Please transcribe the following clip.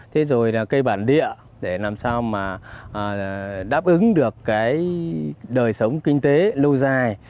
thế rồi là cây bản địa để làm sao mà đáp ứng được cái đời sống kinh tế lâu dài